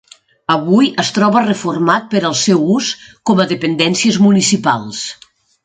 Avui es troba reformat per al seu ús com a dependències municipals.